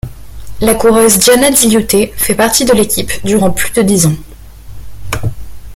La coureuse Diana Žiliūtė fait partie de l'équipe durant plus de dix ans.